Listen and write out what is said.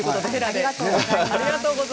ありがとうございます。